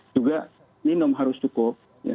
juga minum harus cukup